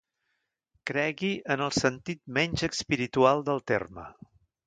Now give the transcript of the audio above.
Cregui en el sentit menys espiritual del terme.